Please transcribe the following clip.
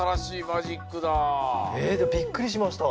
マジック。